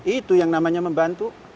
itu yang namanya membantu